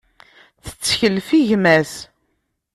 Tettkel ɣef gma-s.